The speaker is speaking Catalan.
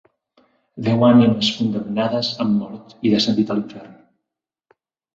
Deu ànimes condemnades han mort i descendit a l'infern.